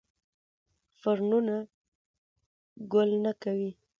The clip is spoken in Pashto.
فرنونه ګل نه کوي